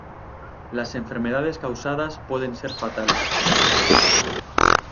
Las enfermedades causadas pueden ser fatales.